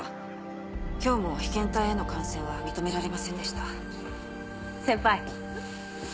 今日も被験体への感染は認められませんで何？